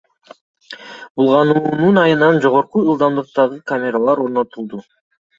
Булгануунун айынан жогорку ылдамдыктагы камералар орнотулду.